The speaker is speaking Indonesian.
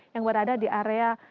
yang berada di area